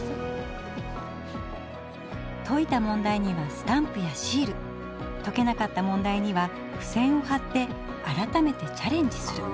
解いた問題にはスタンプやシール解けなかった問題にはふせんをはって改めてチャレンジする。